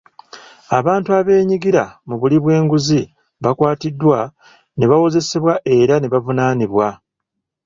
Abantu abeenyigira mu buli bw'enguzzi bakwatiddwa ne bawozesebwa era ne bavunaanibwa.